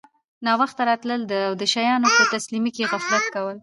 ناوخته راتلل او د شیانو په تسلیمۍ کي غفلت کول